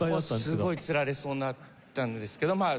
もうすごいつられそうになったんですけどまあ